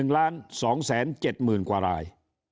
๑ล้าน๒๗๐๐๐๐กว่าลาย